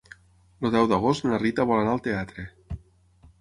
El deu d'agost na Rita vol anar al teatre.